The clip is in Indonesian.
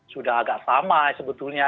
sudah agak sama sebetulnya